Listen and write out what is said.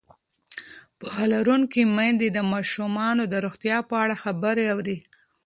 پوهه لرونکې میندې د ماشومانو د روغتیا په اړه خبرې اوري.